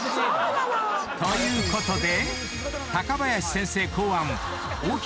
［ということで］